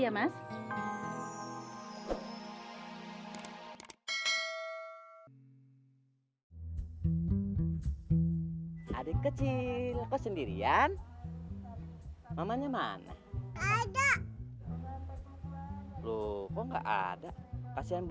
makasih ya mas